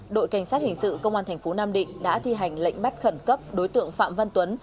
đội cảnh sát hình sự công an thành phố nam định đã thi hành lệnh bắt khẩn cấp đối tượng phạm văn tuấn